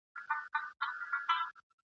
د دې ښار اجل راغلی مرګي کور پکښي اوډلی !.